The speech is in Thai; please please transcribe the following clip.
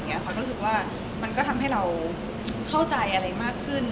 พอยก็รู้สึกว่ามันก็ทำให้เราเข้าใจอะไรมากขึ้น